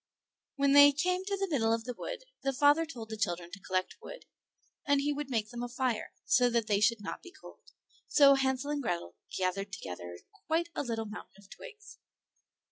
When they came to the middle of the wood the father told the children to collect wood, and he would make them a fire, so that they should not be cold; so Hansel and Grethel gathered together quite a little mountain of twigs.